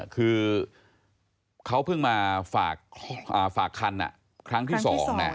คือเขาเพิ่งมาฝากคันครั้งที่๒